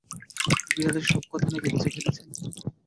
বিড়ালের সব কথা নাকি বুঝে ফেলছেন?